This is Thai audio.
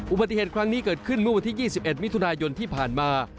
อุบัติเหตุครั้งนี้เกิดขึ้นเมื่อวันที่๒๑มิถุนายนที่ผ่านมา